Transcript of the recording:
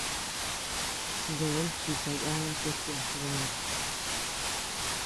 Yeabea jita yada tochi a jideabea.